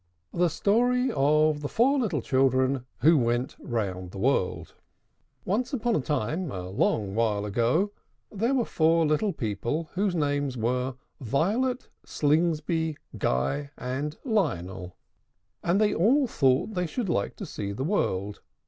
THE STORY OF THE FOUR LITTLE CHILDREN WHO WENT ROUND THE WORLD. Once upon a time, a long while ago, there were four little people whose names were VIOLET, SLINGSBY, GUY, and LIONEL; and they all thought they should like to see the world.